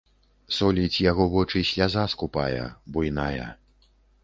Соліць яго вочы сляза скупая, буйная.